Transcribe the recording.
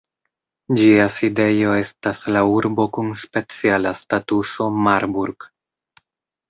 Ĝia sidejo estas la urbo kun speciala statuso Marburg.